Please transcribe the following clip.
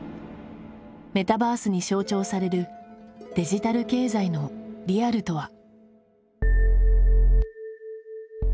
メタバースに象徴されるデジタル経済のリアルとは？